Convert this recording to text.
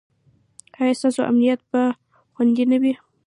ایا ستاسو امنیت به خوندي نه وي؟